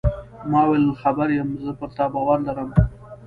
ما وویل: خبر یم، زه پر تا باور لرم.